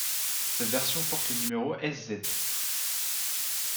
Cette version porte le numéro Sz.